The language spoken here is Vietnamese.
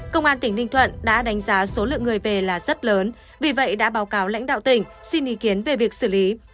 công an tỉnh ninh thuận đã đánh giá số lượng người về là rất lớn vì vậy đã báo cáo lãnh đạo tỉnh xin ý kiến về việc xử lý